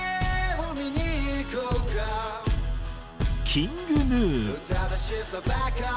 ＫｉｎｇＧｎｕ。